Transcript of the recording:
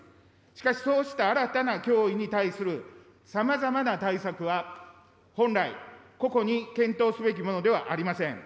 しかし、そうした新たな脅威に対するさまざまな対策は、本来、個々に検討すべきものではありません。